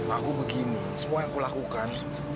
aku begini semua yang kulakukan